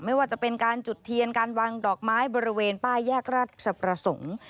ไม่ว่าจะเป็นการจุดเทียนการวางดอกไม้บริเวณป้ายแยกราชประสงค์